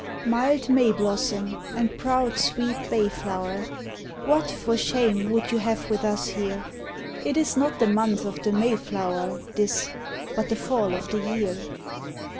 IV Mild May blossom and proud sweet bay flower, What, for shame, would you have with us here? It is not the month of the May flower This, but the fall of the year.